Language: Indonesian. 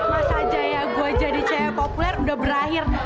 masa aja ya gue jadi cewek populer udah berakhir